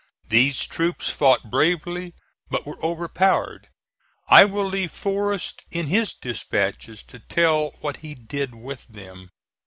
These troops fought bravely, but were overpowered. I will leave Forrest in his dispatches to tell what he did with them.